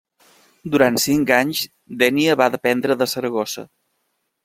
Durant cinc anys Dénia va dependre de Saragossa.